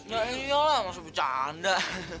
gak iyalah masa bercanda